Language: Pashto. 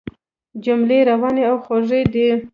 جملې روانې او خوږې دي.